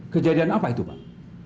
kejadian apa itu pak